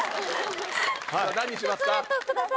さあ何にしますか？